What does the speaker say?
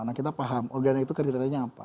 nah kita paham organik itu kriterianya apa